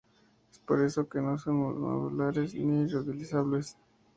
Es por eso que no son modulares, ni reutilizables.